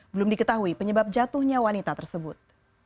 belum diketahui penyebab jatuhnya wanita tersebut